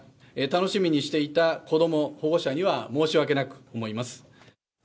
楽しみにしていた子ども、保護者には申し訳なく思います。